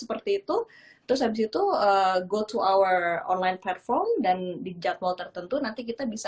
seperti itu terus habis itu goal to our online platform dan di jadwal tertentu nanti kita bisa